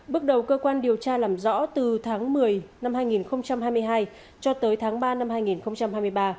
bước đầu cơ quan điều tra làm rõ từ tháng một mươi năm hai nghìn hai mươi hai cho tới tháng ba năm hai nghìn hai mươi ba